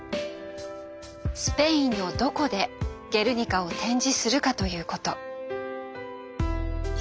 スペインのどこで「ゲルニカ」を展示するかということ。